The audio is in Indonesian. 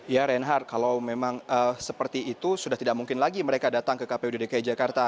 ya reinhard kalau memang seperti itu sudah tidak mungkin lagi mereka datang ke kpud dki jakarta